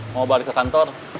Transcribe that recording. mau balik ke kantor